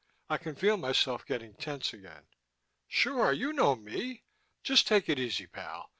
I could feel myself getting tense again. "Sure, you know me. Just take it easy pal.